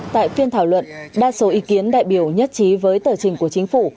tại phiên thảo luận đa số ý kiến đại biểu nhất trí với tờ trình của chính phủ